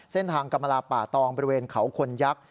กรรมลาป่าตองบริเวณเขาคนยักษ์